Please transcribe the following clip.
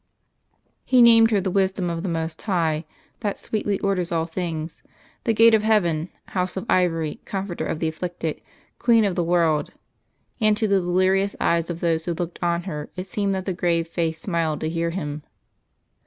He named her the Wisdom of the Most High, that sweetly orders all things, the Gate of Heaven, House of Ivory, Comforter of the afflicted, Queen of the World; and, to the delirious eyes of those who looked on her it seemed that the grave face smiled to hear Him....